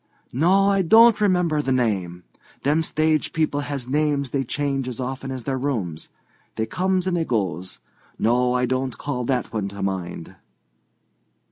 "No, I don't remember the name. Them stage people has names they change as often as their rooms. They comes and they goes. No, I don't call that one to mind."